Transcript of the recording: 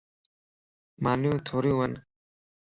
مانيون ٿوريون ون.